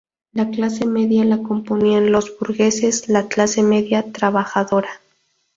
La clase media la componían los burgueses, la clase media trabajadora.